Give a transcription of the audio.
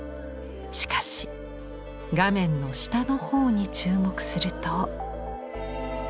しかし画面の下の方に注目すると。